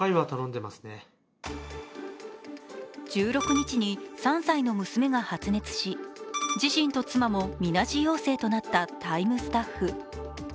１６日に３歳の娘が発熱し自身と妻もみなし陽性となった「ＴＩＭＥ，」スタッフ。